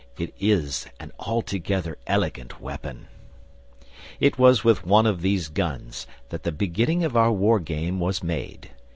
It is an altogether elegant weapon. It was with one of these guns that the beginning of our war game was made.